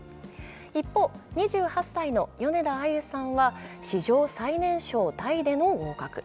一方、２８歳の米田あゆさんは史上最年少タイでの合格。